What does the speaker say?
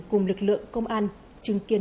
cùng lực lượng công an chứng kiến